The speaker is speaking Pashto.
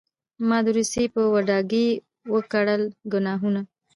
ما د روس په واډکې وکړل ګناهونه